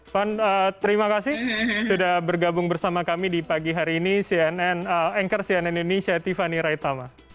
van terima kasih sudah bergabung bersama kami di pagi hari ini cnn anchor cnn indonesia tiffany raitama